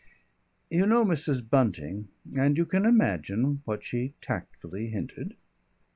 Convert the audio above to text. You know Mrs. Bunting, and you can imagine what she tactfully hinted.